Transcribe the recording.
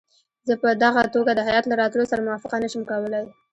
زه په دغه توګه د هیات له راتلو سره موافقه نه شم کولای.